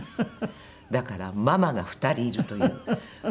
だからママが２人いるという。